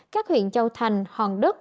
các huyện châu thành hòn đức